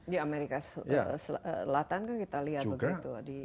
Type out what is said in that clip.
di amerika selatan kan kita lihat begitu